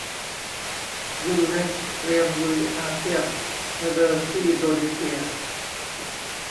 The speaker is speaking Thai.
รุ่นเล็กเตรียมลุยอาเซียนประเดิมที่อินโดนีเซีย